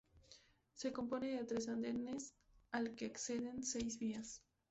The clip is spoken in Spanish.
Se compone de tres andenes, al que acceden seis vías.